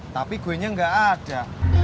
tapi gue nya enggak ada